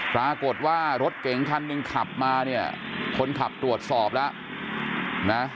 ปรากฏว่ารถเก๋งคันหนึ่งขับมาเนี่ยคนขับตรวจสอบแล้วนะ